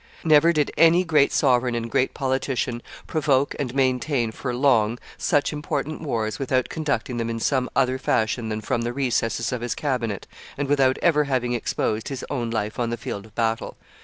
Never did any great sovereign and great politician provoke and maintain for long such important wars without conducting them in some other fashion than from the recesses of his cabinet, and without ever having exposed his own life on the field of battle.